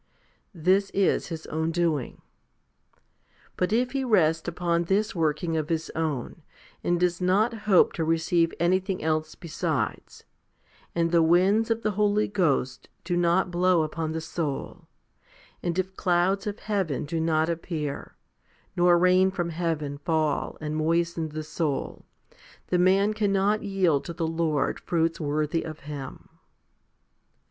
This is his own doing. But if he rests upon this working of his own, and does not hope to receive anything else besides, and the winds of the Holy Ghost do not blow upon the soul, and if clouds of heaven do not appear, nor rain from heaven fall and moisten the soul, the man cannot yield to the Lord fruits worthy of Him.